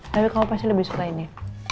tapi kamu pasti lebih suka ini